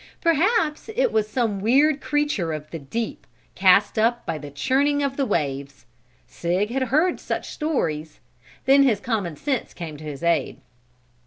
Perhaps it was some weird creature of the deep, cast up by the churning of the waves. Sig had heard such stories. Then his common sense came to his aid.